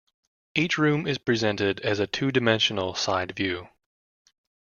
Each room is presented as a two-dimensional side view.